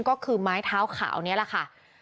ก็คือไม้เท้าขาวนี้แหละค่ะ